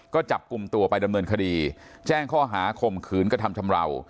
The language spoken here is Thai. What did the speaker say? ก็จับกลุ่มตัวไปดำเนินคดีแจ้งข้อหาข่มขืนกระทำชำราว